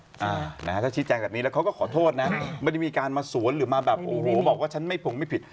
อ่านะฮะถ้าชี้แจงแบบนี้แล้วเขาก็ขอโทษนะไม่ได้มีการมาสวนหรือมาแบบโอ้โหบอกว่าฉันไม่ผงไม่ผิด